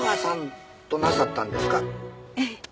ええ。